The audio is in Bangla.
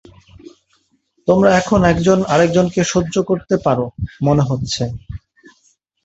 তোমরা এখন একজন আরেকজনকে সহ্য করতে পারো, মনে হচ্ছে!